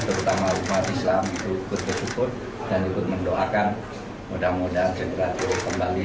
terutama umat islam itu ikut bersyukur dan ikut mendoakan mudah mudahan segera turun kembali